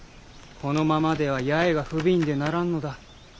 このままでは八重が不憫でならんのだ。